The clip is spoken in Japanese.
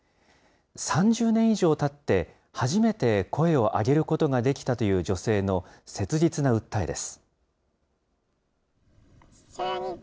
３０年以上たって、初めて声を上げることができたという女性の切実な訴えです。